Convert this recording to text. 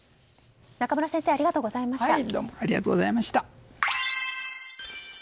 中村先生ありがとうございました。